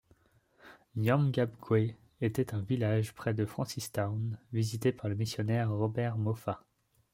Nyangabgwe était un village près de Francistown visité par le missionnaire Robert Moffat.